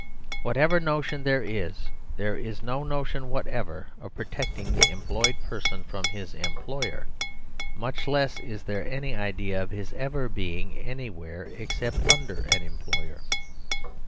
Whatever notion there is, there is no notion whatever of protecting the employed person from his employer. Much less is there any idea of his ever being anywhere except under an employer.